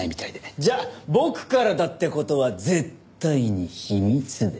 じゃあ僕からだって事は絶対に秘密で。